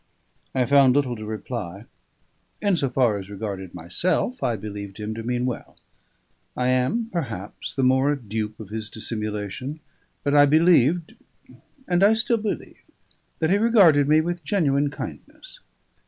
I found little to reply. In so far as regarded myself, I believed him to mean well; I am, perhaps, the more a dupe of his dissimulation, but I believed (and I still believe) that he regarded me with genuine kindness.